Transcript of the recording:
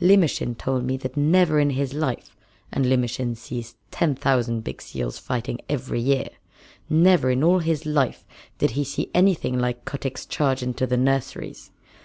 Limmershin told me that never in his life and Limmershin sees ten thousand big seals fighting every year never in all his little life did he see anything like Kotick's charge into the nurseries.